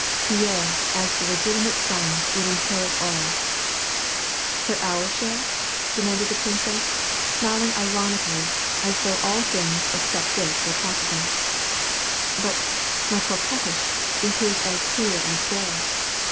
Pierre, as the legitimate son, will inherit all !"" But our share ?" demanded the princess, smiling ironi cally, as though all things except this were possible. " But, my poor Katish, it is as clear as day.